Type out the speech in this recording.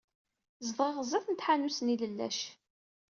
Zedɣeɣ sdat tḥanut n yilellac.